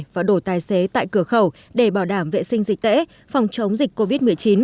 và đổi tài xế tại cửa khẩu để bảo đảm vệ sinh dịch tễ phòng chống dịch covid một mươi chín